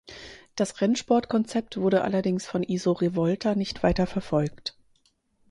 Das Rennsport-Konzept wurde allerdings von Iso Rivolta nicht weiter verfolgt.